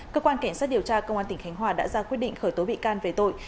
cơ quan cảnh sát điều tra công an tỉnh khánh hòa đã ra quyết định khởi tố bị can về tội